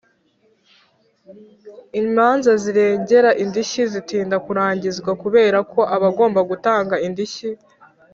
Imanza ziregera indishyi zitinda kurangizwa kubera ko abagomba gutanga indishyi